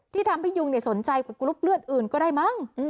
ที่ทำให้ยุงสนใจกว่ากรุ๊ปเลือดอื่นก็ได้มั้ง